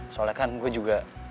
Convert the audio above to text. soalnya gue juga